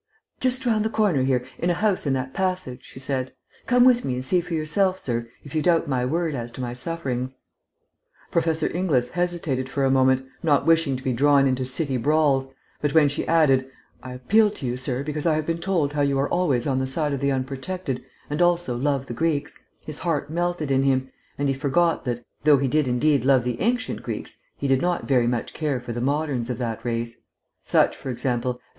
"Just round the corner here, in a house in that passage," she said. "Come with me and see for yourself, sir, if you doubt my word as to my sufferings." Professor Inglis hesitated for a moment, not wishing to be drawn into city brawls, but when she added, "I appealed to you, sir, because I have been told how you are always on the side of the unprotected, and also love the Greeks," his heart melted in him, and he forgot that, though he did indeed love the ancient Greeks, he did not very much care for the moderns of that race (such, for example, as M.